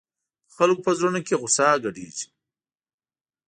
د خلکو په زړونو کې غوسه ګډېږي.